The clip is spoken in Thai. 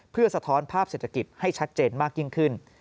เพื่อสะท้อนภาพเศรษฐกิจให้ชัดเจนมากยิ่งขึ้น